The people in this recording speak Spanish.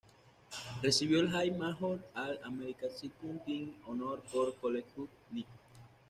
Recibió el High-Major All-America Second Team honors por CollegeHoops.net.